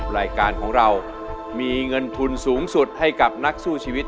รายการของเรามีเงินทุนสูงสุดให้กับนักสู้ชีวิต